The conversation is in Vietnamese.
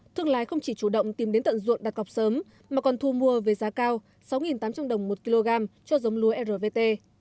thương lái không chỉ chủ động tìm đến tận ruộng đặt cọc sớm mà còn thu mua với giá cao sáu tám trăm linh đồng một kg cho giống lúa rvt